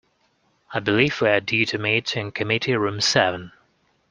I believe we are due to meet in committee room seven.